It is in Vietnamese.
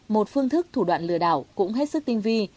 một phương thức thủ đoạn lừa đảo cũng hết sức tinh vi